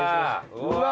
うわ。